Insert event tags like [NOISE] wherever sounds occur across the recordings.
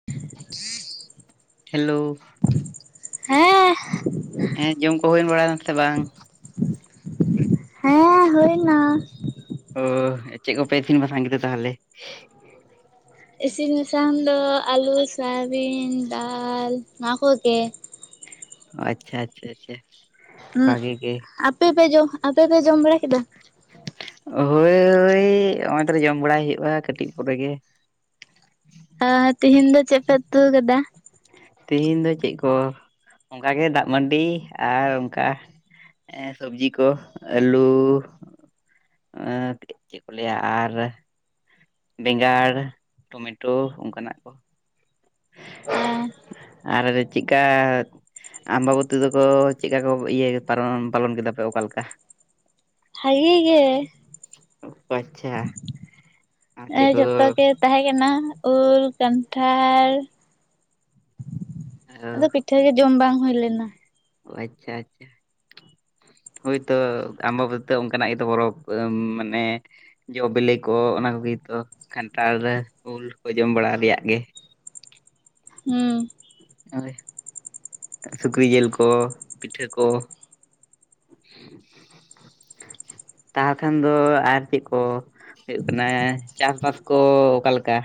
[UNINTELLIGIBLE] Hello ᱦᱮᱸ ᱦᱮᱸ ᱡᱚᱢ ᱠᱚ ᱦᱩᱭ ᱵᱟᱲᱟᱭ ᱱᱟ ᱥᱮ ᱵᱟᱝ? ᱦᱮᱸ ᱦᱩᱭ ᱮᱱᱟ ᱚᱻ ᱪᱮᱫ ᱠᱚᱯᱮ ᱤᱥᱤᱱ ᱵᱟᱥᱟᱝ ᱠᱮᱫᱟ ᱛᱟᱞᱦᱮ? ᱤᱥᱤᱱ ᱵᱟᱥᱟᱝ ᱫᱚ ᱟᱹᱞᱩ ᱥᱳᱣᱟᱵᱤᱱ ᱫᱟᱞ ᱚᱱᱟ ᱠᱚᱜᱮ᱾ ᱟᱪᱪᱷᱟ ᱟᱪᱪᱷᱟ ᱟᱪᱷᱟ ᱩᱸᱜ ᱟᱯᱮ ᱯᱮ ᱡᱚᱢ ᱟᱯᱮ ᱯᱮ ᱡᱚᱢ ᱵᱟᱲᱟ ᱠᱮᱫᱟ? ᱦᱳᱭ ᱳᱭ ᱱᱚᱜ ᱛᱚᱞᱮ ᱡᱚᱢ ᱵᱟᱲᱟᱭ ᱦᱩᱭᱩᱜᱼᱟ ᱠᱟᱹᱴᱤᱡ ᱯᱚᱨᱮ ᱜᱮ ᱟ ᱛᱤᱦᱤᱧ ᱫᱚ ᱪᱮᱫ ᱯᱮ ᱩᱛᱩ ᱠᱟᱫᱟ? ᱛᱮᱦᱤᱧ ᱫᱚ ᱪᱮᱫ ᱠᱚ ᱚᱱᱠᱟ ᱜᱮ ᱫᱟᱜ ᱢᱟᱹᱰᱤ ᱟᱨ ᱚᱱᱠᱟ ᱮᱸ ᱥᱚᱵᱡᱤ ᱠᱚ ᱟᱞᱩ ᱮᱸ ᱪᱮᱫ ᱠᱚ ᱞᱟᱹᱭᱟ ᱟᱨ ᱵᱮᱸᱜᱟᱲ ᱴᱚᱢᱮᱴᱳ ᱚᱱᱠᱟᱱᱟᱜ ᱠᱚ ᱟ ᱟᱨ ᱪᱮᱫᱠᱟ ᱟᱢᱵᱟᱵᱚᱛᱤ ᱛᱮᱫᱚ ᱠᱚ ᱪᱮᱫ ᱞᱮᱠᱟ ᱠᱚ ᱤᱭᱟᱹ ᱯᱟᱞᱚᱱ ᱠᱮᱫᱟ ᱯᱮ ᱚᱠᱟ ᱞᱮᱠᱟ? ᱵᱷᱟᱹᱜᱤ ᱜᱮ ᱚ ᱟᱪᱪᱷᱟ ᱟᱨ ᱮᱸ ᱪᱮᱫ ᱠᱚ ᱡᱷᱚᱛᱚ ᱜᱮ ᱛᱟᱦᱮᱸ ᱠᱟᱱᱟ ᱩᱞ ᱠᱟᱱᱴᱷᱟᱲ ᱟᱫᱚ ᱯᱤᱴᱷᱟᱹ ᱜᱮ ᱡᱚᱢ ᱵᱟᱝ ᱦᱩᱭ ᱞᱮᱱᱟ ᱚ ᱟᱪᱪᱷᱟ ᱟᱪᱪᱷᱟ ᱦᱳᱭᱛᱚ ᱟᱢᱵᱟᱵᱚᱛᱤ ᱫᱚ ᱚᱱᱠᱟᱱᱟᱜ ᱜᱮᱛᱚ ᱯᱚᱨᱚᱵ ᱢᱟᱱᱮ ᱡᱚ ᱵᱮᱞᱮ ᱠᱚ ᱚᱱᱟ ᱠᱚᱜᱮᱛᱚ ᱠᱟᱱᱴᱷᱟᱲ ᱨᱮ ᱩᱞ ᱠᱚ ᱡᱚᱢ ᱵᱟᱲᱟ ᱨᱮᱭᱟᱜ ᱜᱮ ᱦᱩᱸ ᱦᱳᱭ ᱥᱩᱠᱨᱤ ᱡᱮᱞ ᱠᱚ ᱯᱤᱴᱷᱟᱹ ᱠᱚ ᱛᱟᱦᱟ ᱠᱷᱟᱱ ᱫᱚ ᱟᱨ ᱪᱮᱫ ᱠᱚ ᱦᱩᱭᱩᱜ ᱠᱟᱱᱟ ᱪᱟᱥᱵᱟᱥ ᱠᱚ ᱚᱠᱟᱞᱮᱠᱟ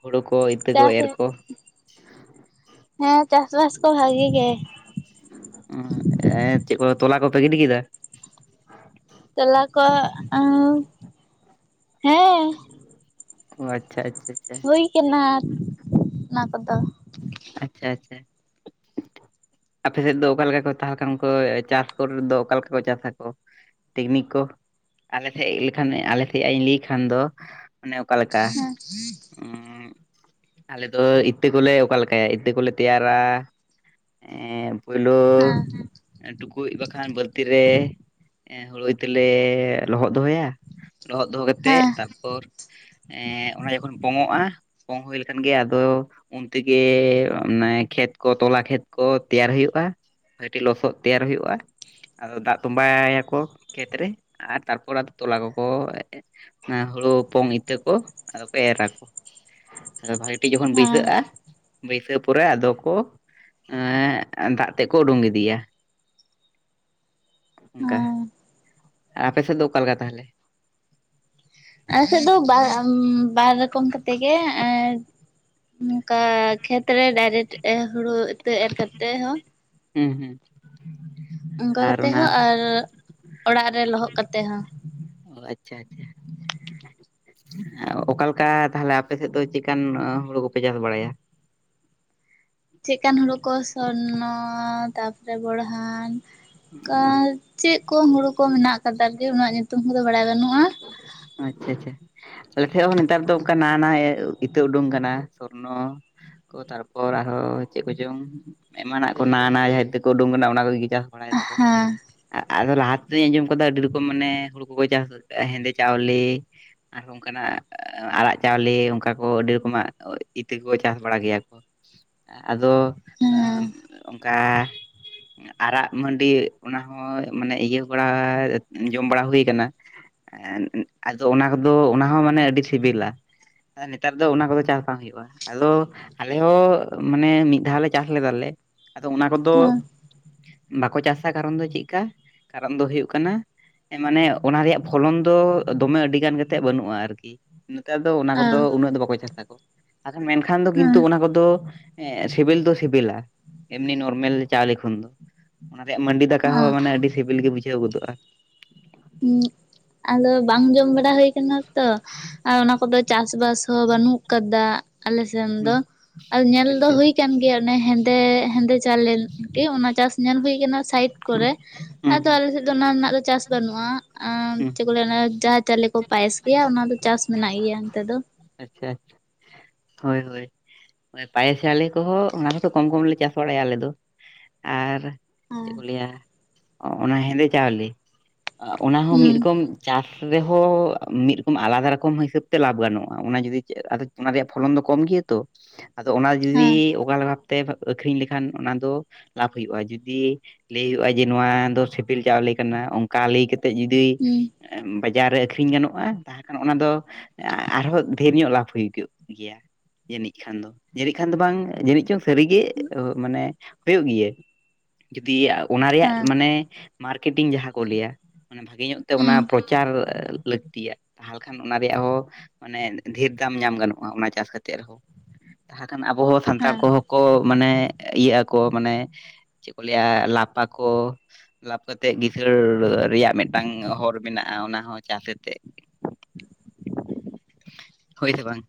ᱦᱩᱲᱩ ᱠᱚ ᱤᱛᱟᱹ ᱠᱚ ᱪᱟᱥ ᱮᱨ ᱠᱚ ᱦᱮᱸ ᱪᱟᱥ ᱵᱟᱥ ᱠᱚ ᱵᱷᱟᱜᱮ ᱜᱮ ᱩᱸᱜ ᱮᱸ ᱪᱮᱫ ᱠᱚ ᱛᱚᱞᱟ ᱠᱚᱯᱮ ᱜᱤᱰᱤ ᱠᱮᱫᱟ? ᱛᱚᱞᱟ ᱠᱚ ᱟᱸ ᱦᱮᱸ ᱚ ᱟᱪᱪᱷᱟ ᱟᱪᱪᱷᱟ ᱟᱪᱪᱷᱟ ᱦᱩᱭ ᱠᱟᱱᱟ ᱚᱱᱟ ᱠᱚᱫᱚ ᱟᱪᱪᱷᱟ ᱟᱪᱪᱷᱟ ᱟᱯᱮ ᱥᱮᱫ ᱫᱚ ᱚᱠᱟ ᱞᱮᱠᱟ ᱠᱚ ᱛᱟᱦᱚᱞᱮ ᱠᱷᱟᱱ ᱠᱚ ᱪᱟᱥ ᱠᱚᱨᱮ ᱫᱚ ᱚᱠᱟ ᱞᱮᱠᱟ ᱠᱚ ᱪᱟᱥᱟ ᱠᱚ ᱴᱮᱠᱱᱤᱠ ᱠᱚ ᱟᱞᱮ ᱥᱮᱜ ᱞᱮᱠᱷᱟᱱ ᱟᱞᱮ ᱥᱮᱜ ᱟᱜ ᱤᱧ ᱞᱟᱹᱭᱠᱷᱟᱱ ᱫᱚ ᱚᱱᱮ ᱚᱠᱟᱮ ᱞᱮᱠᱟ ᱟ? [INAUDIBLE] ᱟᱞᱮ ᱫᱚ ᱤᱛᱛᱟᱹ ᱠᱚᱞᱮ ᱚᱠᱟᱞ ᱮ ᱤᱛᱛᱟᱹ ᱠᱚᱞᱮ ᱛᱮᱭᱟᱨᱟ ᱮ ᱯᱳᱭᱞᱳ ᱦᱮᱸ ᱴᱩᱠᱩᱡ ᱵᱟᱠᱷᱟᱱ ᱵᱟᱹᱞᱛᱤ ᱨᱮ ᱮ ᱦᱩᱲᱩ ᱤᱛᱟᱹᱞᱮ ᱞᱚᱦᱚᱫ ᱫᱚᱦᱚᱭᱟ ᱞᱚᱦᱚᱫ ᱫᱚᱦᱚ ᱠᱟᱛᱮᱜ ᱦᱮᱸ ᱛᱟ ᱯᱚᱨ ᱮᱜ ᱚᱱᱟ ᱡᱚᱠᱷᱚᱱ ᱯᱚᱝᱚᱜ-ᱟ ᱯᱚᱝ ᱦᱩᱭ ᱞᱮᱠᱷᱟᱱ ᱜᱮ ᱟᱫᱚ ᱩᱱ ᱛᱮ ᱜᱮᱻ ᱚᱱᱮ ᱠᱷᱮᱛ ᱠᱚ ᱛᱚᱞᱟ ᱠᱷᱮᱛ ᱠᱚ ᱛᱮᱭᱟᱨ ᱦᱩᱭᱩᱜ-ᱟ ᱵᱷᱟᱹᱴᱤ ᱞᱚᱥᱚᱫ ᱛᱮᱭᱟᱨ ᱦᱩᱭᱩᱜ-ᱟ ᱟᱫᱚ ᱫᱟᱜ ᱛᱚᱸᱵᱟᱻᱭᱟᱠᱚ ᱠᱷᱮᱛ ᱨᱮ ᱟᱨ ᱛᱟᱨᱯᱚᱨ ᱟᱫᱚ ᱛᱚᱞᱟ ᱠᱚᱠᱚ ᱚᱱᱟ ᱦᱩᱲᱩ ᱦᱚᱯᱚᱝ ᱤᱛᱟᱹ ᱠᱚ ᱟᱫᱚ ᱠᱚ ᱮ ᱨᱟᱠᱚ᱾ ᱟᱫᱚ ᱵᱷᱟᱹᱜᱤ ᱴᱤᱜ ᱡᱚᱠᱷᱚᱱ ᱦᱮᱸ ᱵᱟᱹᱭᱥᱟᱹᱜ-ᱟ ᱵᱟᱹᱭᱥᱟᱹᱣ ᱯᱚᱨᱮ ᱟᱫᱚ ᱠᱚ ᱮᱜ ᱫᱟᱜ ᱛᱮ ᱠᱚ ᱩᱰᱩᱝ ᱜᱫᱤᱭᱟ ᱚᱝᱠᱟ ᱦᱮᱸ ᱟ ᱟᱯᱮᱥᱮᱫ ᱫᱚ ᱚᱠᱟ ᱞᱮᱠᱟ ᱛᱟᱦᱞᱮ? ᱟᱞᱮ ᱥᱮᱜ ᱫᱚ ᱵᱟ ᱵᱟᱨ ᱨᱚᱠᱚᱢ ᱠᱟᱛᱮ ᱜᱮ ᱮ ᱠᱟ ᱠᱷᱮᱛ ᱨᱮ ᱰᱟᱭᱨᱮᱴ ᱦᱩᱲᱳ ᱤᱛᱟᱹ ᱮᱨ ᱠᱟᱛᱮ ᱦᱚᱸ ᱦᱩᱸ ᱦᱩᱸ ᱚᱝᱠᱟ ᱟᱨ ᱠᱟᱛᱮ ᱚᱱᱟ ᱦᱚᱸ ᱟᱨ ᱚᱲᱟᱜ ᱨᱮ ᱞᱚᱦᱚᱜ ᱠᱟᱛᱮᱜ ᱦᱚᱸ᱾ ᱚ ᱟᱪᱪᱷᱟ ᱟᱪᱪᱷᱟ ᱚᱠᱟᱞᱮᱠᱟ ᱛᱟᱦᱞᱮ ᱟᱯᱮ ᱥᱮᱫ ᱫᱚ ᱪᱮᱠᱟᱱ ᱦᱩᱲᱩ ᱠᱚᱯᱮ ᱪᱟᱥ ᱵᱟᱲᱟᱭᱟ? ᱪᱮᱜᱠᱟᱱ ᱦᱩᱲᱩ ᱠᱚ ᱥᱚᱨᱱᱚ ᱛᱟᱯᱚᱨᱮ ᱵᱚᱲᱦᱟᱱ ᱠᱟ ᱪᱮᱜ ᱠᱚ ᱦᱳᱲᱳ ᱠᱚ ᱢᱮᱱᱟᱜ ᱠᱟᱫᱟ ᱡᱮ ᱩᱱᱟᱹᱜ ᱧᱩᱛᱩᱢ ᱠᱚᱫᱚ ᱵᱟᱲᱟᱭ ᱵᱟᱱᱩᱜ-ᱟ ᱟᱪᱼᱪᱷᱟ ᱪᱷᱟ ᱟᱞᱮ ᱴᱷᱮᱜ ᱦᱚᱸ ᱱᱮᱛᱟᱨ ᱫᱚ ᱚᱝᱠᱟ ᱱᱟᱣᱟ ᱱᱟᱣᱟ ᱮ ᱤᱛᱟᱹ ᱩᱰᱩᱝ ᱠᱟᱱᱟ ᱥᱚᱨᱱᱚ ᱠᱚ ᱛᱟᱨᱯᱚᱨ ᱟᱨᱦᱚᱸ ᱪᱮᱜ ᱠᱚᱪᱚᱝ ᱮᱢᱟᱱᱟᱜ ᱠᱚ ᱱᱟᱣᱟ ᱱᱟᱣᱟ ᱡᱟᱦᱟ ᱤᱛᱟᱹ ᱠᱚ ᱩᱰᱩᱝ ᱠᱟᱱᱟ ᱚᱱᱟ ᱠᱚ ᱜᱤ ᱪᱟ ᱵᱟᱲᱟᱭ ᱫᱟᱠᱚ ᱦᱮᱸ ᱟᱫᱚ ᱞᱟᱦᱟ ᱛᱮᱫᱩᱧ ᱟᱸᱡᱚᱢ ᱠᱟᱫᱟ ᱟᱹᱰᱤ ᱨᱚᱠᱚᱢ ᱢᱟᱱᱮ ᱦᱩᱲᱩ ᱠᱚᱠᱚ ᱪᱟᱥ ᱦᱮᱸᱫᱮ ᱪᱟᱣᱞᱮ ᱟᱨᱦᱚᱸ ᱠᱟᱱᱟᱜ ᱟᱨᱟᱜ ᱪᱟᱣᱞᱮ ᱚᱝᱠᱟ ᱠᱚ ᱟᱹᱰᱤ ᱨᱚᱠᱚᱢᱟᱜ ᱤᱛᱟᱹ ᱠᱚᱠᱚ ᱪᱟᱥ ᱵᱟᱲᱟ ᱜᱮᱭᱟ ᱠᱚ, ᱟᱫᱚ ᱮ ᱦᱮᱸ ᱚᱝᱠᱟ ᱟᱨᱟᱜ ᱢᱟᱹᱰᱤ ᱚᱱᱟᱦᱚ ᱢᱟᱱᱮ ᱤᱭᱟᱹ ᱵᱟᱲᱟ ᱡᱚᱢ ᱵᱟᱲᱟ ᱦᱩᱭ ᱠᱟᱱᱟ, ᱟᱫᱚ ᱚᱱᱟ ᱠᱚᱫᱚ ᱚᱱᱟ ᱦᱚᱸ ᱢᱟᱱᱮ ᱟᱹᱰᱤ ᱥᱤᱵᱤᱞᱟ, ᱟᱨ ᱱᱮᱛᱟᱨ ᱫᱚ ᱚᱱᱟ ᱠᱚᱫᱚ ᱪᱟᱥ ᱵᱟᱝ ᱦᱩᱭᱩᱜ-ᱟ᱾ ᱟᱞᱚ ᱟᱞᱮ ᱦᱚᱸ ᱢᱟᱱᱮ ᱢᱤᱫ ᱫᱷᱟᱣ ᱞᱮ ᱪᱟᱥ ᱞᱮᱫᱟ ᱞᱮ ᱟᱫᱚ ᱚᱱᱟ ᱠᱚᱫᱚ ᱦᱮᱸ ᱵᱟᱠᱚ ᱪᱟᱥᱟ ᱠᱟᱨᱚᱱ ᱫᱚ ᱪᱮᱜᱠᱟ ᱠᱟᱨᱚᱱ ᱫᱚ ᱦᱩᱭᱩᱜ ᱠᱟᱱᱟ ᱢᱟᱱᱮ ᱚᱱᱟ ᱨᱮᱭᱟᱜ ᱯᱷᱚᱞᱚᱱ ᱫᱚ ᱫᱚᱢᱮ ᱟᱹᱰᱤᱜᱟᱱ ᱠᱟᱛᱮᱜ ᱵᱟᱹᱱᱩᱜ-ᱟ ᱟᱨᱠᱤ, ᱱᱮᱛᱟᱨ ᱫᱚ ᱚᱱᱟ ᱠᱚᱫᱚ ᱦᱮᱸ ᱩᱱᱟᱹᱜ ᱫᱚ ᱵᱟᱠᱚ ᱪᱟᱥᱟ, ᱟᱠᱷᱟᱱ ᱢᱮᱱᱠᱷᱟᱱ ᱫᱚ ᱦᱮᱸ ᱠᱤᱱᱛᱩ ᱚᱱᱟ ᱠᱚᱫᱚ ᱮ ᱥᱮᱵᱮᱞ ᱫᱚ ᱥᱮᱵᱮᱞᱟ, ᱮᱢᱱᱤ ᱱᱚᱨᱢᱮᱞ ᱪᱟᱣᱞᱮ ᱠᱷᱚᱱ ᱫᱚ ᱚᱱᱟ ᱨᱮᱭᱟᱜ ᱢᱟᱹᱰᱤ ᱫᱟᱠᱟ ᱦᱚᱸ ᱦᱮᱸ ᱢᱟᱱᱮ ᱟᱹᱰᱤ ᱥᱤᱵᱤᱞ ᱜᱮ ᱵᱩᱡᱷᱟᱹᱣ ᱜᱚᱫᱚᱜ-ᱟ᱾ ᱦᱩᱸ ᱟᱫᱚ ᱵᱟᱝ ᱡᱚᱢ ᱵᱟᱲᱟ ᱦᱩᱭ ᱠᱟᱱᱟ ᱛᱚ ᱟᱨ ᱚᱱᱟ ᱠᱚᱫᱚ ᱪᱟᱥ ᱵᱟᱥ ᱦᱚᱸ ᱵᱟᱹᱱᱩᱜ ᱠᱟᱫᱟ ᱟᱞᱮᱥᱱ ᱦᱩᱸ ᱫᱚ ᱟᱨ ᱚ ᱧᱮᱞ ᱫᱚ ᱟᱪᱪᱷᱟ ᱦᱩᱭ ᱠᱟᱱ ᱜᱮᱭᱟ ᱚᱱᱮ ᱦᱮᱱ ᱛᱮ ᱦᱮᱸᱫᱮ ᱪᱟᱣᱞᱮᱞ ᱠᱤ ᱚᱱᱟ ᱪᱟᱥ ᱧᱮᱞ ᱦᱩᱭ ᱠᱟᱱᱟ ᱥᱟᱭᱤᱴ ᱠᱚᱨᱮ ᱦᱩᱸ ᱟᱫᱚ ᱦᱩᱸ ᱟᱞᱮᱥᱮ ᱫᱚ ᱚᱱᱟ ᱨᱮᱱᱟᱜ ᱫᱚ ᱪᱟᱥ ᱵᱟᱱᱩᱜ ᱟ ᱦᱩᱸ ᱪᱮᱜ ᱠᱚ ᱞᱟᱹᱭᱟ ᱚᱱᱮ ᱡᱟᱦᱟ ᱪᱟᱣᱞᱮ ᱠᱚ ᱯᱟᱭᱮᱥ ᱜᱮᱭᱟ ᱚᱱᱟ ᱫᱚ ᱪᱟᱥ ᱢᱮᱱᱟᱜ ᱜᱮᱭᱟ ᱱᱚᱛᱮ ᱫᱚ᱾ ᱟᱪᱪᱷᱟ ᱟᱪ ᱦᱳᱭ ᱦᱳᱭ ᱯᱟᱭᱮᱥ ᱪᱟᱣᱞᱮ ᱠᱚᱦᱚ ᱚᱱᱟ ᱠᱚᱫᱚ ᱠᱚᱢ ᱠᱚᱢᱞᱮ ᱪᱟᱥ ᱵᱟᱲᱟᱭᱟ ᱟᱞᱮ ᱫᱚ ᱟᱨᱼᱼ ᱪᱮᱜ ᱦᱩᱸ ᱠᱚ ᱞᱟᱹᱭᱟ ᱚᱱᱟ ᱦᱮᱸᱫᱮ ᱪᱟᱣᱞᱮ ᱚᱱᱟ ᱦᱚᱸ ᱢᱤᱜ ᱨᱚᱠᱚᱢᱼᱼ ᱪᱟᱥ ᱨᱮᱦᱚᱸ ᱢᱤᱜ ᱨᱚᱠᱚᱢ ᱟᱞᱟᱫᱟ ᱨᱚᱠᱚᱢ ᱦᱤᱥᱟᱹᱵᱽ ᱛᱮ ᱞᱟᱵᱷ ᱜᱟᱱᱚᱜᱼᱟ ᱚᱱᱟ ᱡᱩᱫᱤ ᱟᱫᱚ ᱚᱱᱟ ᱨᱮᱭᱟᱜᱼᱼ ᱯᱷᱚᱞᱚᱱ ᱫᱚ ᱠᱚᱢ ᱜᱮᱭᱟ ᱛᱚ ᱟᱫᱚ ᱚᱱᱟ ᱦᱮᱸ ᱡᱩᱫᱤᱼᱼ ᱚᱠᱟᱞᱮᱠᱟ ᱵᱷᱟᱵᱛᱮ ᱟᱠᱷᱨᱤᱧ ᱞᱮᱠᱷᱟᱱ ᱚᱱᱟ ᱫᱚ ᱞᱟᱵᱷ ᱦᱩᱭᱩᱜᱼᱟ ᱡᱩᱫᱤᱼᱼ ᱞᱟᱹᱭ ᱦᱩᱭᱩᱜᱼᱟ ᱡᱮ ᱱᱚᱣᱟ ᱫᱚ ᱥᱮᱵᱤᱞ ᱪᱟᱣᱞᱮ ᱠᱟᱱᱟ ᱚᱱᱠᱟ ᱞᱟᱹᱭ ᱠᱟᱛᱮᱜ ᱡᱩᱫᱤᱼᱼ ᱦᱩᱸ ᱡᱟᱨᱮ ᱟᱹᱠᱷᱨᱤᱧ ᱜᱟᱱᱚᱜᱼᱟ ᱛᱟᱦᱚᱞᱮ ᱠᱷᱟᱱ ᱚᱱᱟ ᱫᱚ ᱟᱨᱦᱚᱸ ᱰᱷᱮᱨ ᱧᱚᱜ ᱞᱟᱵᱷ ᱦᱩᱭ ᱠᱚᱜᱼᱼ ᱜᱮᱭᱟ ᱡᱟᱹᱱᱤᱡ ᱠᱷᱟᱱ ᱫᱚ ᱡᱟᱹᱱᱤᱡ ᱠᱷᱟᱱ ᱫᱚ ᱵᱟᱝ ᱡᱟᱹᱱᱤᱡ ᱪᱚᱝ ᱥᱟᱹᱨᱤᱜᱮ ᱢᱟᱱᱮᱼᱼ ᱦᱩᱭᱩᱜ ᱜᱮᱭᱟ ᱡᱩᱫᱤ ᱚᱱᱟ ᱨᱮᱭᱟᱜ ᱦᱮᱸ ᱢᱟᱱᱮ ᱢᱟᱨᱠᱮᱴᱤᱝ ᱡᱟᱦᱟ ᱠᱚ ᱞᱟᱹᱭᱟ ᱢᱟᱱᱮ ᱵᱷᱟᱜᱮ ᱧᱚᱜ ᱛᱮ ᱦᱩᱸ ᱚᱱᱟ ᱯᱨᱚᱪᱟᱨ ᱞᱟᱹᱠᱛᱤᱭᱟ᱾ ᱛᱟᱦᱚᱞᱮ ᱠᱷᱟᱱ ᱚᱱᱟ ᱨᱮᱭᱟᱜ ᱦᱚ ᱢᱟᱱᱮ ᱰᱷᱮᱨ ᱫᱟᱢ ᱧᱟᱢ ᱜᱟᱱᱚᱜᱼᱟ᱾ ᱚᱱᱟ ᱪᱟᱥ ᱠᱟᱛᱮ ᱨᱮᱦᱚᱸ ᱛᱟᱦᱮ ᱠᱷᱟᱱ ᱟᱵᱚ ᱦᱚ ᱥᱟᱱᱛᱟᱲ ᱦᱮᱸ ᱠᱚᱦᱚᱼᱼ ᱠᱚ ᱢᱟᱱᱮ ᱤᱭᱟᱹᱜ ᱟᱠᱚ ᱢᱟᱱᱮ ᱪᱮᱜ ᱠᱚ ᱞᱟᱹᱭᱟ ᱞᱟᱯ ᱟᱠᱚ, ᱞᱟᱵᱷ ᱠᱟᱛᱮᱜ ᱠᱤᱥᱟᱹᱲ ᱨᱮᱭᱟᱜ ᱢᱤᱫᱴᱟᱝ ᱦᱚᱨ ᱢᱮᱱᱟᱜᱼᱟ ᱚᱱᱟ ᱦᱚᱸ ᱪᱟᱥ ᱟᱛᱮ ᱦᱳᱭ ᱥᱮ ᱵᱟᱝ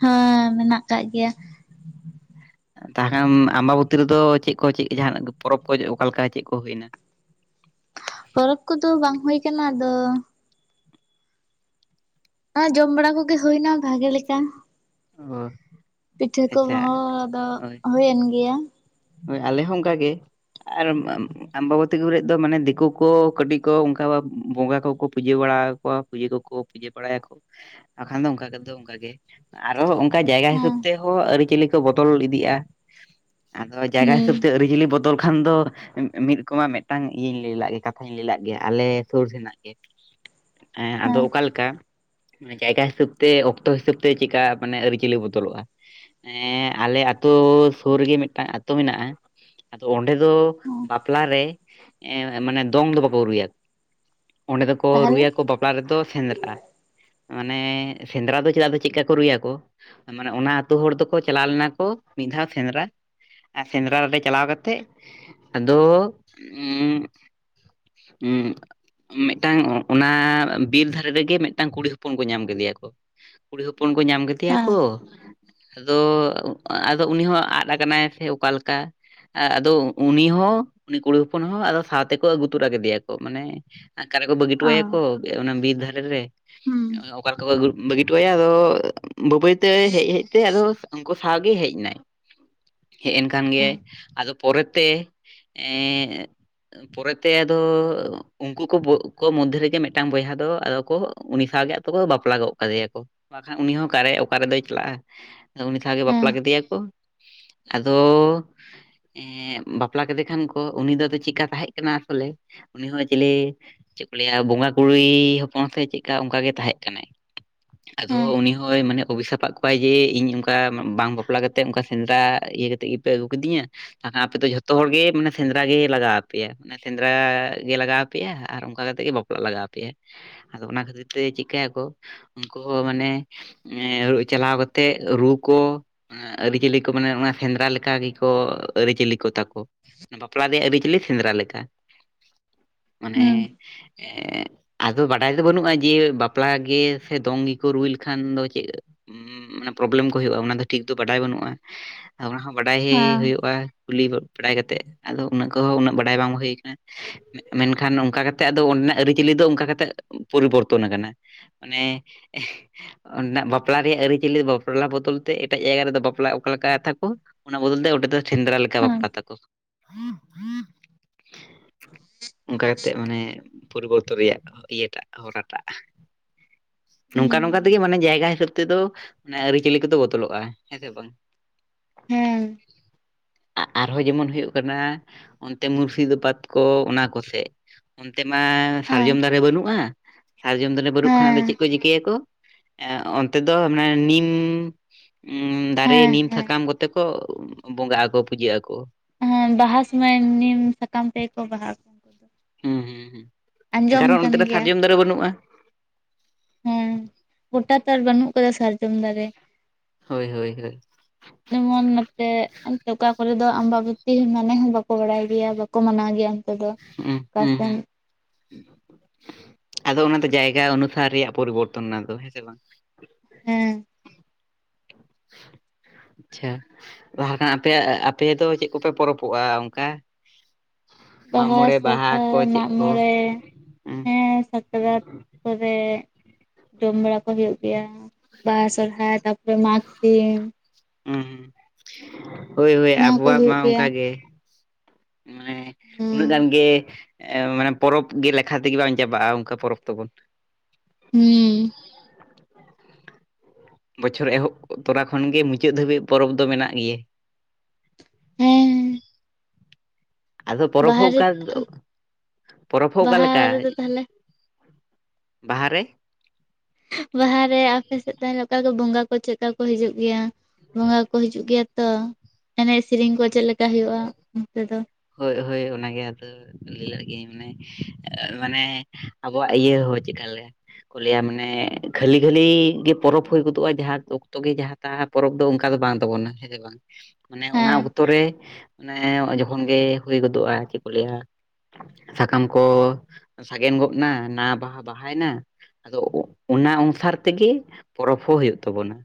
ᱦᱮ ᱢᱮᱱᱟᱜ ᱠᱟᱜ ᱜᱮᱭᱟ᱾ [UNINTELLIGIBLE] ᱛᱟᱦᱞᱮ ᱠᱷᱟᱱ ᱟᱢᱵᱟᱵᱚᱛᱤ ᱨᱮᱫᱚ ᱪᱮᱜ ᱠᱚ ᱪᱮᱜ ᱡᱟᱦᱱᱟᱜ ᱯᱚᱨᱚᱵᱽ ᱠᱚ ᱚᱠᱟ ᱞᱮᱠᱟ ᱪᱮᱜ ᱠᱚ ᱦᱩᱭᱱᱟ᱾ ᱯᱚᱨᱚᱵᱽ ᱠᱚᱫᱚ ᱵᱟᱝ ᱦᱩᱭ ᱠᱟᱱᱟ ᱟᱫᱚᱼᱼ ᱚᱱᱟ ᱡᱚᱢ ᱵᱟᱲᱟ ᱠᱚᱜᱮ ᱦᱩᱭᱱᱟ ᱵᱷᱟᱜᱮ ᱞᱮᱠᱟ᱾ ᱚ ᱯᱤᱴᱷᱟᱹ ᱟᱪᱪᱷᱟ ᱠᱚᱦᱚᱸ ᱫᱚ ᱦᱳᱭ ᱦᱩᱭᱮᱱ ᱜᱮᱭᱟ᱾ ᱦᱳᱭ ᱟᱞᱮ ᱦᱚᱸ ᱚᱱᱠᱟ ᱜᱮ ᱟᱨᱼᱼ ᱟᱢᱵᱟᱵᱚᱛᱤ ᱠᱚᱨᱮᱫ ᱫᱚ ᱢᱟᱱᱮ ᱫᱤᱠᱩ ᱠᱚ ᱠᱟᱹᱴᱤᱡ ᱠᱚ ᱚᱱᱠᱟ ᱵᱷᱟᱵ ᱵᱚᱸᱜᱟ ᱠᱚᱠᱚ ᱯᱩᱡᱟᱹ ᱵᱟᱲᱟᱣ ᱠᱚᱣᱟ ᱯᱩᱡᱟᱹ ᱠᱚᱠᱚᱼᱼ ᱯᱩᱡᱟᱹ ᱵᱟᱲᱟᱭᱟᱠᱚ ᱵᱟᱠᱷᱟᱱ ᱫᱚ ᱚᱱᱠᱟ ᱠᱟᱛᱮᱫ ᱫᱚ ᱚᱱᱠᱟ ᱜᱮᱼᱼ ᱟᱨᱚ ᱚᱱᱠᱟ ᱡᱟᱭᱜᱟ ᱦᱤᱥᱟᱹᱵᱽ ᱦᱮᱸ ᱛᱮᱦᱚ ᱟᱹᱨᱤᱪᱟᱹᱞᱤ ᱠᱚ ᱵᱚᱫᱚᱞ ᱤᱫᱤᱜᱼᱟ᱾ ᱟᱫᱚ ᱡᱟᱭᱜᱟ ᱦᱩᱸ ᱦᱤᱥᱟᱹᱵ ᱛᱮ ᱟᱹᱨᱤᱪᱟᱹᱞᱤ ᱵᱚᱫᱚᱞ ᱠᱷᱟᱱ ᱫᱚᱼᱼ ᱢᱤᱫ ᱨᱚᱠᱚᱢ ᱢᱤᱫᱴᱟᱝ ᱤᱭᱟᱹ ᱞᱟᱹᱭ ᱜᱮ ᱠᱟᱛᱷᱟ ᱞᱟᱹᱭ ᱞᱟᱫ ᱜᱮᱭᱟ ᱟᱞᱮ ᱥᱩᱨ ᱥᱮᱱᱟᱜ ᱜᱮᱼᱼ ᱦᱮᱸ ᱟᱫᱚ ᱚᱠᱟ ᱞᱮᱠᱟ ᱢᱟᱱᱮ ᱡᱟᱭᱜᱟ ᱦᱤᱥᱟᱹᱵ ᱛᱮ ᱚᱠᱛᱚ ᱦᱤᱥᱟᱹᱵ ᱛᱮᱼᱼ ᱛᱮ ᱪᱮᱠᱟ ᱢᱟᱱᱮ ᱟᱹᱨᱤᱪᱟᱹᱞᱤ ᱵᱚᱫᱚᱞᱚᱜᱼᱟ᱾ ᱦᱮᱸ ᱟᱞᱮ ᱟᱛᱩ ᱥᱩᱨ ᱨᱮᱜᱮ ᱢᱤᱫᱴᱟᱝ ᱟ ᱟᱹᱛᱩ ᱢᱮᱱᱟᱜᱼᱟ᱾ ᱟᱫᱚ ᱚᱸᱰᱮ ᱫᱚ ᱦᱮᱸ ᱵᱟᱯᱞᱟ ᱨᱮ ᱢᱟᱱᱮ ᱫᱚᱝ ᱫᱚ ᱵᱟᱠᱚ ᱨᱩᱭᱟ᱾ ᱚᱸᱰᱮ ᱫᱚᱠᱚ ᱛᱟᱦᱚᱞᱮ ᱨᱩᱭᱟᱠᱚ ᱵᱟᱯᱞᱟ ᱨᱮᱫᱚ ᱥᱮᱸᱫᱽᱨᱟ ᱢᱟᱱᱮ ᱥᱮᱸᱫᱽᱨᱟ ᱫᱚ ᱪᱮᱫᱟᱜ ᱪᱮᱫᱠᱟ ᱠᱚ ᱨᱩᱭᱟᱠᱚ ᱢᱟᱱᱮ ᱚᱱᱟ ᱟᱹᱛᱩ ᱦᱚᱲ ᱫᱚᱠᱚ ᱪᱟᱞᱟᱣ ᱞᱮᱱᱟ ᱠᱚ ᱢᱤᱫ ᱫᱷᱟᱣ ᱥᱮᱸᱫᱽᱨᱟ᱾ ᱟᱨ ᱥᱮᱸᱫᱽᱨᱟ ᱨᱮ ᱪᱟᱞᱟᱣ ᱠᱟᱛᱮᱜ ᱟᱫᱚ ᱮᱸ ᱦᱩ ᱢᱤᱫᱴᱟᱝ ᱚᱱᱟ ᱵᱤᱨ ᱫᱷᱟᱨᱮ ᱨᱮᱜᱮ ᱢᱤᱫᱴᱟᱝ ᱠᱩᱲᱤ ᱦᱚᱯᱚᱱ ᱠᱚ ᱧᱟᱢ ᱠᱮᱫᱮᱭᱟ ᱠᱚ ᱠᱩᱲᱤ ᱦᱚᱯᱚᱱ ᱠᱚ ᱧᱟᱢ ᱠᱮᱫᱮᱭᱟ ᱦᱮᱸ ᱠᱚ᱾ ᱟᱫᱚ ᱟᱫᱚ ᱩᱱᱤ ᱦᱚᱸ ᱟᱫ ᱟᱠᱟᱱᱟᱭ ᱥᱮ ᱚᱠᱟᱞᱮᱠᱟ᱾ ᱟᱫᱚ ᱩᱱᱤ ᱦᱚᱸ ᱩᱱᱤ ᱠᱩᱲᱤ ᱦᱚᱯᱚᱱ ᱦᱚᱸ ᱟᱫᱚ ᱥᱟᱶᱛᱮᱠᱚ ᱟᱹᱜᱩ ᱛᱚᱨᱟ ᱠᱮᱫᱮᱭᱟ ᱠᱚ ᱢᱟᱱᱮᱼᱼ ᱚᱠᱟᱨᱮ ᱠᱚ ᱵᱟᱹᱜᱤᱴᱚᱣᱟᱭᱟᱠᱚ ᱚᱱᱟ ᱵᱤᱨ ᱫᱷᱟᱨᱮ ᱨᱮ ᱚᱠᱟᱞᱮ ᱞᱮᱠᱟ ᱵᱟᱹᱜᱤ᱾ ᱴᱚ ᱟᱫᱚ ᱵᱟᱹᱭ ᱵᱟᱹᱭ ᱛᱮ ᱦᱮᱡᱦᱮᱡ ᱛᱮ ᱟᱫᱚ ᱩᱱᱠᱩ ᱥᱟᱶᱜᱮ ᱦᱮᱡ ᱮᱱᱟᱭ᱾ ᱦᱮᱡ ᱮᱱ ᱠᱟᱱ ᱜᱮᱭᱟᱭ ᱟᱫᱚ ᱯᱚᱨᱮᱛᱮ ᱮᱸᱼᱼ ᱯᱚᱨᱮᱛᱮ ᱟᱫᱚᱼᱼ ᱩᱱᱠᱩ ᱠᱚ ᱢᱚᱫᱽᱫᱷᱮ ᱨᱮᱜᱮ ᱢᱤᱫᱴᱟᱝ ᱵᱚᱭᱦᱟ ᱫᱚ ᱟᱫᱚ ᱠᱚ ᱩᱱᱤ ᱥᱟᱶᱜᱮ ᱟᱫᱚ ᱠᱚ ᱵᱟᱯᱞᱟ ᱜᱚᱫ ᱠᱟᱫᱮᱭᱟ᱾ ᱵᱟᱠᱷᱟᱱ ᱩᱱᱤ ᱦᱚᱸ ᱚᱠᱟᱨᱮ ᱚᱠᱟᱨᱮ ᱫᱚᱭ ᱪᱟᱞᱟᱜᱼᱟ ᱩᱱᱤ ᱥᱟᱶ ᱜᱮ ᱦᱮᱸ ᱦᱮᱸ ᱵᱟᱯᱞᱟ ᱦᱮᱸ ᱠᱮᱫᱮᱭᱟ ᱠᱚ ᱟᱫᱚᱻ ᱮᱸᱜ ᱵᱟᱯᱞᱟ ᱠᱮᱫᱮ ᱠᱷᱟᱱ ᱠᱚ ᱩᱱᱤ ᱫᱚ ᱟᱫᱚ ᱪᱮᱠᱟ ᱛᱟᱦᱮᱸᱜ ᱠᱟᱱᱟ ᱟᱥᱚᱞᱮ ᱩᱱᱤ ᱦᱚᱸ ᱪᱮᱞᱮ ᱪᱮᱫ ᱠᱚ ᱞᱟᱹᱭᱟ ᱵᱚᱸᱜᱟ ᱠᱩᱲᱤ ᱦᱚᱯᱚᱱ ᱥᱮ ᱪᱮᱫᱞᱮᱠᱟ ᱚᱱᱠᱟᱜᱮ ᱛᱟᱦᱮᱸᱜ ᱠᱟᱱᱟᱭ ᱟᱫᱚ ᱦᱮᱸ ᱩᱱᱤ ᱦᱚᱸᱭ ᱢᱟᱱᱮ ᱚᱵᱷᱤᱥᱟᱯᱟᱫ ᱠᱚᱣᱟᱭ ᱡᱮ ᱤᱧ ᱚᱱᱠᱟ ᱵᱟᱝ ᱵᱟᱯᱞᱟ ᱠᱟᱛᱮᱜ ᱚᱱᱠᱟ ᱥᱮᱸᱫᱽᱨᱟ ᱤᱭᱟᱹ ᱠᱟᱛᱮᱫ ᱜᱮ ᱯᱮ ᱟᱹᱜᱩ ᱠᱤᱫᱤᱧᱟ ᱠᱷᱟᱱ ᱟᱯᱮ ᱫᱚ ᱡᱷᱚᱛᱚ ᱦᱚᱲ ᱜᱮ ᱢᱟᱱᱮ ᱥᱮᱸᱫᱽᱨᱟ ᱜᱮ ᱞᱟᱜᱟᱣ ᱟᱯᱮᱭᱟ ᱥᱮᱸᱫᱽᱨᱟ ᱜᱮ ᱞᱟᱜᱟᱣ ᱟᱯᱮᱭᱟ ᱟᱨ ᱚᱱᱠᱟ ᱠᱟᱛᱮᱜ ᱜᱮ ᱵᱟᱯᱞᱟᱜ ᱞᱟᱜᱟᱣ ᱟᱯᱮᱭᱟ ᱟᱫᱚ ᱚᱱᱟ ᱠᱷᱟᱹᱛᱤᱨ ᱛᱮ ᱪᱮᱫᱠᱟᱭᱟᱠᱚ ᱩᱱᱠᱩ ᱦᱚᱸ ᱢᱟᱱᱮ ᱪᱟᱞᱟᱣ ᱠᱟᱛᱮ ᱨᱩ ᱠᱚ ᱮᱸᱜ ᱟᱹᱨᱤᱪᱟᱹᱞᱤ ᱠᱚ ᱢᱟᱱᱮ ᱚᱱᱟ ᱥᱮᱸᱫᱽᱨᱟ ᱞᱮᱠᱟ ᱜᱮᱠᱚ ᱟᱹᱨᱤᱪᱟᱹᱞᱤ ᱠᱚᱛᱟᱠᱚ ᱵᱟᱯᱞᱟ ᱨᱮᱭᱟᱜ ᱟᱹᱨᱤᱪᱟᱹᱞᱤ ᱥᱮᱸᱫᱽᱨᱟ ᱞᱮᱠᱟ ᱢᱟᱱᱮ ᱦᱮᱸ ᱦᱮᱸ ᱦᱩᱸ ᱟᱫᱚ ᱵᱟᱰᱟᱭ ᱫᱚ ᱵᱟᱹᱱᱩᱜᱼᱟ ᱡᱮ ᱵᱟᱯᱞᱟ ᱜᱮ ᱥᱮ ᱫᱚᱝ ᱜᱮᱠᱚ ᱨᱩᱭ ᱞᱮᱠᱷᱟᱱ ᱫᱚ ᱪᱮᱫ ᱦᱩᱸ ᱯᱨᱚᱵᱞᱮᱢ ᱠᱚ ᱦᱩᱭᱩᱜᱼᱟ ᱚᱱᱟ ᱫᱚ ᱴᱷᱤᱠ ᱫᱚ ᱵᱟᱰᱟᱭ ᱵᱟᱹᱱᱩᱜᱼᱟ ᱚᱱᱟ ᱵᱟᱰᱟᱭ ᱦᱮᱸ ᱦᱩᱭᱩᱜᱼᱟ ᱠᱩᱞᱤ ᱠᱚ ᱵᱟᱲᱟᱭ ᱠᱟᱛᱮᱜ ᱟᱫᱚ ᱩᱱᱟᱹᱜ ᱠᱚᱦᱚᱸ ᱩᱱᱟᱹᱜ ᱵᱟᱰᱟᱭ ᱵᱟᱝ ᱦᱩᱭ ᱟᱠᱟᱱᱟ ᱢᱮᱱᱠᱷᱟᱱ ᱚᱱᱠᱟ ᱠᱟᱛᱮᱜ ᱟᱫᱚ ᱚᱱᱰᱮᱱᱟᱜ ᱟᱹᱨᱤᱪᱟᱹᱞᱤ ᱫᱚ ᱚᱱᱠᱟ ᱠᱟᱛᱮᱜ ᱯᱚᱨᱤᱵᱚᱨᱛᱚᱱ ᱟᱠᱟᱱᱟ ᱢᱟᱱᱮ ᱚᱱᱟ ᱵᱟᱯᱞᱟ ᱨᱮᱭᱟᱜ ᱟᱹᱨᱤᱪᱟᱹᱞᱤ ᱵᱟᱯᱞᱟ ᱵᱚᱫᱚᱞ ᱛᱮ ᱮᱴᱟᱜ ᱡᱟᱭᱜᱟ ᱨᱮᱫᱚ ᱵᱟᱯᱞᱟ ᱚᱠᱟ ᱞᱮᱠᱟ ᱠᱟᱛᱷᱟ ᱠᱚ ᱚᱱᱟ ᱵᱚᱫᱚᱞ ᱛᱮ ᱚᱸᱰᱮ ᱫᱚ ᱥᱮᱸᱫᱽᱨᱟ ᱞᱮᱠᱟ ᱦᱮᱸ ᱵᱟᱯᱞᱟ ᱛᱟᱠᱚ ᱚᱱᱠᱟ ᱠᱟᱛᱮᱫ ᱢᱟᱱᱮ ᱯᱚᱨᱤᱵᱚᱨᱛᱚᱱ ᱨᱮᱭᱟᱜ ᱤᱭᱟᱹᱴᱟᱜ ᱦᱚᱨᱟᱴᱟᱜ ᱱᱚᱝᱠᱟ ᱱᱚᱝᱠᱟ ᱛᱮᱜᱮ ᱢᱟᱱᱮ ᱡᱟᱭᱜᱟ ᱦᱤᱥᱟᱹᱵ ᱛᱮ ᱛᱮᱫᱚ ᱚᱱᱟ ᱟᱹᱨᱤᱪᱟᱹᱞᱤ ᱠᱚᱫᱚ ᱵᱚᱫᱚᱞᱚᱜᱼᱟ ᱦᱮᱸᱥᱮ ᱵᱟᱝ ᱟᱨᱦᱚᱸ ᱡᱮᱢᱚᱱ ᱦᱩᱭᱩᱜ ᱠᱟᱱᱟ ᱚᱱᱛᱮ ᱢᱩᱨᱥᱤᱫᱟᱵᱟᱫ ᱠᱚ ᱚᱱᱟ ᱠᱚᱥᱮᱫ ᱚᱱᱛᱮ ᱢᱟ ᱥᱟᱨᱡᱚᱢ ᱫᱟᱨᱮ ᱵᱟᱹᱱᱩᱜᱼᱟ ᱥᱟᱨᱡᱚᱢ ᱫᱟᱨᱮ ᱵᱟᱹᱱᱩᱜ ᱠᱷᱚᱱᱟᱜ ᱫᱚ ᱦᱮᱸ ᱪᱮᱫ ᱠᱚ ᱪᱤᱠᱟᱹᱭᱟᱠᱚ ᱮ ᱚᱱᱛᱮ ᱫᱚ ᱢᱟᱱᱮ ᱱᱤᱢ ᱩᱸᱻ ᱫᱟᱨᱮ ᱦᱮᱸ ᱱᱤᱢ ᱦᱮᱸ ᱥᱟᱠᱟᱢ ᱠᱚᱛᱮ ᱠᱚ ᱵᱚᱸᱜᱟᱜ ᱟᱠᱚ ᱯᱩᱡᱟᱹᱜ ᱟᱠᱚ ᱦᱮᱸ ᱵᱟᱦᱟ ᱥᱩᱢᱚᱭ ᱱᱤᱢ ᱥᱟᱠᱟᱢ ᱛᱮᱜᱮ ᱠᱚ ᱵᱟᱦᱟᱜ ᱟᱠᱚ ᱦᱩᱸ ᱦᱩᱸ ᱦᱩᱸ ᱟᱸᱡᱚᱢ ᱠᱟᱨᱚᱱ ᱠᱟᱱ ᱚᱱᱛᱮ ᱨᱮ ᱥᱟᱨᱡᱚᱢ ᱫᱟᱨᱮ ᱵᱟᱹᱱᱩᱜᱼᱟ ᱦᱩᱸ ᱜᱚᱴᱟ ᱛᱚ ᱟᱨ ᱵᱟᱹᱱᱩᱜ ᱟᱠᱟᱫᱟ ᱥᱟᱨᱡᱚᱢ ᱫᱟᱨᱮ ᱦᱳᱭ ᱦᱳᱭ ᱦᱳᱭ ᱡᱮᱢᱚᱱ ᱱᱚᱛᱮ ᱚᱱᱛᱮ ᱚᱠᱟ ᱠᱚᱨᱮ ᱫᱚ ᱟᱢᱵᱟᱵᱟᱹᱛᱤ ᱢᱟᱱᱮ ᱦᱚᱸ ᱵᱟᱠᱚ ᱵᱟᱲᱟᱭ ᱜᱮᱭᱟ ᱵᱟᱠᱚ ᱢᱟᱱᱟᱣ ᱜᱮᱭᱟ ᱫᱚ ᱦᱩᱸ ᱚᱠᱟ ᱦᱩᱸ ᱥᱮᱱ ᱦᱩᱸ ᱟᱫᱚ ᱚᱱᱟ ᱛᱮ ᱡᱟᱭᱜᱟ ᱚᱱᱩᱥᱟᱨ ᱨᱮᱭᱟᱜ ᱯᱚᱨᱤᱵᱚᱨᱛᱚᱱ ᱚᱱᱟ ᱫᱚ ᱦᱮᱸᱥᱮ ᱵᱟᱝ ᱦᱮᱸ [INAUDIBLE] ᱟᱪᱪᱷᱟ [UNINTELLIGIBLE] ᱟᱯᱮᱭᱟᱜ ᱟᱯᱮ ᱫᱚ ᱪᱮᱫ ᱠᱚᱯᱮ ᱯᱚᱨᱚᱵᱚᱜᱼᱟ ᱚᱱᱠᱟ? ᱢᱟᱜ ᱵᱟᱦᱟ ᱢᱚᱬᱮ ᱵᱟᱦᱟ ᱥᱚᱨᱦᱟᱭ ᱠᱚ ᱪᱮᱫ ᱠᱚ ᱢᱟᱜᱼᱢᱚᱬᱮ ᱦᱩᱸ ᱦᱮᱸ ᱥᱟᱠᱨᱟᱛ ᱠᱚᱨᱮ ᱡᱚᱢ ᱵᱟᱲᱟ ᱠᱚ ᱦᱩᱭᱩᱜ ᱜᱮᱭᱟ ᱵᱟᱦᱟ ᱦᱳᱭ ᱥᱚᱨᱦᱟᱭ ᱛᱟᱯᱚᱨ ᱢᱟᱜᱽᱥᱤᱢ ᱦᱩᱸ ᱦᱳᱭ ᱦᱳᱭ ᱱᱚᱣᱟ ᱠᱚ ᱟᱵᱚᱣᱟᱜ ᱢᱟ ᱦᱩᱭᱩᱜ ᱜᱮᱭᱟ ᱚᱱᱠᱟ ᱜᱮ ᱢᱟᱱᱮ ᱦᱩᱸ ᱩᱱᱟᱹᱜ ᱜᱟᱱ ᱜᱮ ᱮᱸ ᱢᱟᱱᱮ ᱯᱚᱨᱚᱵᱽ ᱜᱮ ᱞᱮᱠᱷᱟ ᱛᱮᱜᱮ ᱵᱟᱝ ᱪᱟᱵᱟᱜᱼᱟ ᱚᱱᱠᱟ ᱯᱚᱨᱚᱵᱽ ᱛᱟᱵᱚᱱ ᱦᱩᱸᱻ ᱵᱚᱪᱷᱚᱨ ᱮᱦᱚᱵ ᱛᱚᱨᱟ ᱠᱷᱚᱱ ᱜᱮ ᱢᱩᱪᱟᱹᱫ ᱫᱷᱟᱹᱵᱤᱡ ᱯᱚᱨᱚᱵᱽ ᱫᱚ ᱢᱮᱱᱟᱜ ᱜᱮᱭᱟ ᱦᱮᱸᱻ ᱟᱫᱚ ᱯᱚᱨᱚᱵᱽ ᱦᱚᱸ ᱨᱮ ᱚᱠᱟ ᱫᱚ ᱯᱚᱨᱚᱵᱽ ᱦᱚᱸ ᱚᱠᱟ ᱵᱟᱦᱟ ᱞᱮᱠᱟ ᱨᱮᱫᱚ ᱛᱟᱦᱚᱞᱮ ᱵᱟᱦᱟ ᱨᱮ ᱵᱟᱦᱟ ᱨᱮ ᱟᱯᱮ ᱥᱮᱫ ᱛᱟᱞᱦᱮ ᱚᱠᱟ ᱠᱚ ᱵᱚᱸᱜᱟ ᱪᱮᱫᱠᱟ ᱠᱚ ᱦᱤᱡᱩᱜ ᱜᱮᱭᱟ ᱵᱚᱸᱜᱟ ᱠᱚ ᱦᱤᱡᱩᱜ ᱜᱮᱭᱟ ᱛᱚ ᱮᱱᱮᱡ ᱥᱮᱨᱮᱧ ᱠᱚ ᱪᱮᱫ ᱞᱮᱠᱟ ᱦᱩᱭᱩᱜᱼᱟ ᱚᱱᱛᱮ ᱫᱚ? ᱦᱳᱭ ᱦᱳᱭ ᱚᱱᱟᱜᱮ ᱟᱫᱚ ᱞᱟᱹᱭ ᱞᱮᱜᱤᱧ ᱢᱟᱱᱮ ᱟᱵᱚᱣᱟᱜ ᱤᱭᱟᱹ ᱦᱚᱸ ᱪᱮᱫ ᱠᱟᱞᱮ ᱠᱚ ᱞᱟᱹᱭᱟ ᱢᱟᱱᱮ ᱜᱷᱟᱹᱞᱤ ᱜᱷᱟᱹᱞᱤ ᱜᱮ ᱯᱚᱨᱚᱵᱽ ᱦᱩᱭ ᱜᱚᱫᱚᱜᱼᱟ ᱡᱟᱦᱟᱸ ᱚᱠᱛᱚ ᱜᱮ ᱡᱟᱦᱟᱸ ᱛᱟᱦᱟᱸ ᱯᱚᱨᱚᱵᱽ ᱫᱚ ᱚᱱᱠᱟ ᱫᱚ ᱵᱟᱝ ᱛᱟᱵᱚᱱᱟ ᱦᱮᱸ ᱥᱮ ᱵᱟᱝ ᱢᱟᱱᱮ ᱚᱱᱟ ᱦᱮᱸ ᱚᱠᱛᱚ ᱨᱮ ᱢᱟᱱᱮ ᱛᱚᱠᱷᱚᱱ ᱜᱮ ᱦᱩᱭ ᱜᱚᱫᱚᱜᱼᱟ ᱪᱮᱫ ᱠᱚ ᱞᱟᱹᱭᱟ ᱥᱟᱠᱟᱢ ᱠᱚ ᱥᱟᱜᱮᱱ ᱜᱚᱫ ᱮᱱᱟ ᱱᱟᱣᱟ ᱵᱟᱦᱟ ᱵᱟᱦᱟᱭᱮᱱᱟ ᱟᱫᱚ ᱚᱱᱟ ᱚᱱᱩᱥᱟᱨ ᱛᱮᱜᱮ ᱯᱚᱨᱚᱵᱽ ᱦᱚᱸ ᱦᱩᱭᱩᱜ ᱛᱟᱵᱚᱱᱟ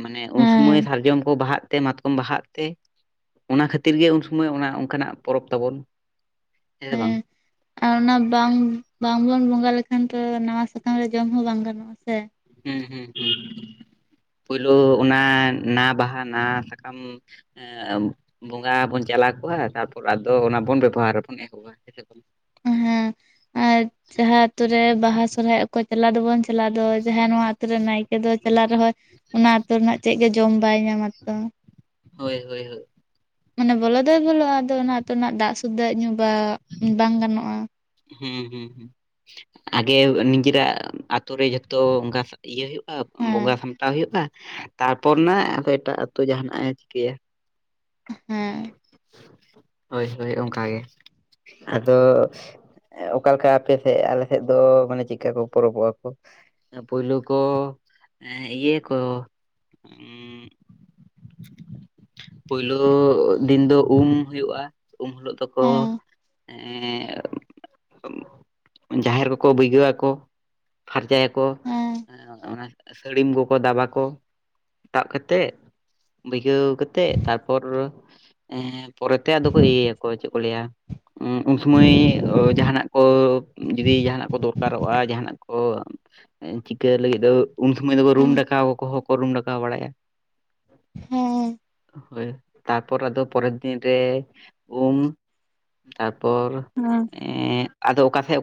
ᱢᱟᱱᱮ ᱩᱱ ᱦᱮᱸ ᱥᱚᱢᱚᱭ ᱥᱟᱨᱡᱚᱢ ᱠᱚ ᱵᱟᱦᱟᱜ ᱛᱮ ᱢᱟᱛᱠᱚᱢ ᱵᱟᱦᱟᱜ ᱛᱮ ᱚᱱᱟ ᱠᱷᱟᱹᱛᱤᱨ ᱜᱮ ᱩᱱ ᱥᱚᱢᱚᱭ ᱚᱱᱟ ᱚᱱᱠᱟᱱᱟᱜ ᱯᱚᱨᱚᱵᱽ ᱛᱟᱵᱚᱱ ᱦᱮᱸ ᱥᱮ ᱵᱟᱝ ᱟᱨ ᱚᱱᱟ ᱵᱟᱝ ᱵᱟᱝᱵᱚᱱ ᱵᱚᱸᱜᱟ ᱞᱮᱠᱷᱟᱱ ᱛᱚ ᱱᱟᱣᱟ ᱥᱟᱠᱟᱢ ᱨᱮ ᱡᱚᱢ ᱦᱚᱸ ᱵᱟᱝ ᱜᱟᱱᱚᱜᱼᱟ ᱥᱮ ᱦᱩᱸ ᱦᱩᱸ ᱦᱩᱸ ᱯᱳᱭᱞᱳ ᱚᱱᱟ ᱱᱟᱣᱟ ᱵᱟᱦᱟ ᱱᱟᱣᱟ ᱥᱟᱠᱟᱢ ᱮᱸᱜ ᱵᱚᱸᱜᱟ ᱵᱩᱱ ᱪᱟᱞᱟᱣ ᱠᱚᱜᱼᱟ ᱛᱟᱯᱚᱨ ᱟᱫᱚ ᱚᱱᱟ ᱵᱚᱱ ᱵᱮᱵᱚᱦᱟᱨᱟᱵᱚᱱ ᱮᱦᱚᱵ ᱵᱟᱥᱠᱮ ᱥᱟᱠᱟᱢ ᱦᱮᱸ ᱟᱨ ᱡᱟᱦᱟᱸ ᱟᱛᱳ ᱨᱮ ᱵᱟᱦᱟ ᱥᱚᱨᱦᱟᱭ ᱚᱠᱚᱭ ᱪᱟᱞᱟᱣ ᱫᱚᱵᱚᱱ ᱪᱟᱞᱟᱜ ᱫᱚ ᱡᱟᱦᱟᱸ ᱱᱚᱣᱟ ᱟᱛᱩᱨᱮ ᱱᱟᱭᱠᱮ ᱫᱚ ᱪᱟᱞᱟᱜ ᱨᱮᱦᱚᱸᱭ ᱚᱱᱟ ᱟᱛᱳ ᱨᱮᱱᱟᱜ ᱪᱮᱫ ᱜᱮ ᱡᱚᱢ ᱵᱟᱭ ᱧᱟᱢᱟ ᱛᱚ ᱦᱳᱭ ᱦᱳᱭ ᱦᱳᱭ ᱢᱟᱱᱮ ᱵᱚᱞᱚ ᱫᱚᱭ ᱵᱚᱞᱚᱜᱼᱟ ᱟᱫᱚ ᱚᱱᱟ ᱟᱹᱛᱩ ᱨᱮᱱᱟᱜ ᱫᱟᱜ ᱥᱩᱫᱽᱫᱟᱹ ᱧᱩ ᱵᱟ ᱵᱟᱝ ᱜᱟᱱᱚᱜᱼᱟ ᱦᱩᱸ ᱦᱩᱸ ᱦᱩᱸ ᱟᱜᱮ ᱱᱤᱡᱮᱨᱟᱜ ᱟᱛᱳ ᱨᱮ ᱡᱷᱚᱛᱚ ᱚᱱᱠᱟ ᱤᱭᱟᱹ ᱦᱩᱭᱩᱜ ᱦᱮᱸ ᱵᱚᱸᱜᱟ ᱥᱟᱢᱴᱟᱣ ᱦᱩᱭᱩᱜᱼᱟ ᱛᱟᱨᱯᱚᱨ ᱱᱟᱜ ᱮᱴᱟᱜ ᱟᱹᱛᱩ ᱡᱟᱦᱟᱱᱟᱜᱼ ᱮ ᱪᱤᱠᱟᱹᱭᱟ ᱦᱮᱸ ᱦᱳᱭ ᱦᱳᱭ ᱚᱱᱠᱟᱜᱮ ᱟᱫᱚ ᱚᱠᱟᱮ ᱞᱮᱠᱟ ᱟᱯᱮᱥᱮᱫ ᱟᱞᱮ ᱥᱮᱫ ᱫᱚ ᱢᱟᱱᱮ ᱪᱮᱫᱠᱟ ᱠᱚ ᱯᱚᱨᱚᱵᱚᱜᱼᱟ ᱠᱚ ᱯᱩᱭᱞᱩ ᱠᱚ ᱤᱭᱟᱹᱭᱟ ᱠᱚ ᱩᱸᱜ ᱯᱳᱭᱞᱳ ᱫᱤᱱ ᱫᱚ ᱩᱢ ᱦᱩᱭᱩᱜᱼᱟ ᱩᱢ ᱦᱤᱞᱳᱜ ᱫᱚᱠᱚ ᱦᱮᱸ ᱮᱸᱜ ᱻ ᱡᱟᱦᱮᱨ ᱠᱚᱠᱚ ᱵᱟᱹᱭᱜᱟᱹᱣᱟᱠᱚ ᱯᱷᱟᱨᱪᱟᱭᱟᱠᱚ ᱠᱚ ᱦᱮᱸ ᱮᱸ ᱚᱱᱟ ᱥᱟᱹᱲᱤᱢ ᱠᱚᱠᱚ ᱫᱟᱵᱟ ᱠᱚ ᱫᱟᱵ ᱠᱟᱛᱮᱜ ᱵᱟᱹᱭᱜᱟᱹᱣ ᱠᱟᱛᱮᱜ ᱛᱟᱨᱯᱚᱨ ᱮᱸᱜ ᱯᱚᱨᱮᱛᱮ ᱟᱫᱚ ᱠᱚ ᱤᱭᱟᱹᱭᱟᱠᱚ ᱪᱮᱫ ᱠᱚ ᱞᱟᱹᱭᱟ ᱩᱸᱜ ᱩᱱ ᱥᱚᱢᱚᱭ ᱡᱟᱦᱟᱱᱟᱜ ᱠᱚ ᱡᱩᱫᱤ ᱡᱟᱦᱟᱱᱟᱜ ᱠᱚ ᱫᱚᱨᱠᱟᱨᱚᱜᱼᱟ ᱡᱟᱦᱟᱱᱟᱜ ᱠᱚ ᱪᱤᱠᱟᱹ ᱞᱟᱹᱜᱤᱫ ᱫᱚ ᱩᱱ ᱥᱚᱢᱚᱭ ᱫᱚ ᱨᱩᱢ ᱰᱟᱠᱟᱣ ᱠᱚᱦᱚᱸ ᱠᱚ ᱨᱩᱢ ᱰᱟᱠᱟᱣ ᱵᱟᱲᱟᱭᱟ ᱦᱮᱸ ᱦᱳᱭ ᱛᱟᱨᱯᱚᱨ ᱟᱫᱚ ᱯᱚᱨᱮᱨ ᱫᱤᱱ ᱨᱮ ᱩᱢ ᱛᱟᱨᱯᱚᱨ ᱦᱩᱸ ᱮᱸᱜ ᱟᱫᱚ ᱚᱠᱟ ᱥᱮᱫ